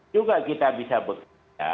juga kita bisa bekerja